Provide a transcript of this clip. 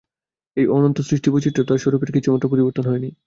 এই অনন্ত সৃষ্টিবৈচিত্র্যেও তাঁর স্বরূপের কিছুমাত্র পরিবর্তন হয়নি।